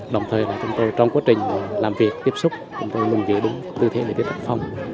đồng thời là chúng tôi trong quá trình làm việc tiếp xúc chúng tôi luôn giữ đúng tư thế để tiếp tục phòng